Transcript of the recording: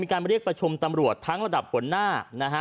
มีการมาลีกประชมตำรวจทั้งระดับผลหน้า